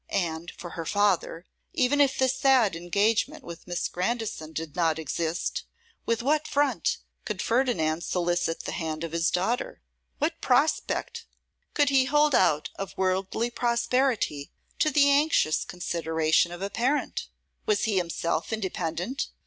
And, for her father, even if the sad engagement with Miss Grandison did not exist, with what front could Ferdinand solicit the hand of his daughter? What prospect could he hold out of worldly prosperity to the anxious consideration of a parent? Was he himself independent?